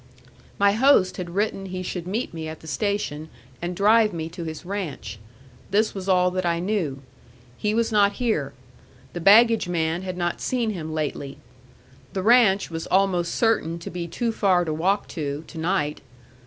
My host had written he should meet me at the station and drive me to his ranch. This was all that I knew. He was not here. The baggage man had not seen him lately. The ranch was almost certain to be too far to walk to, to night.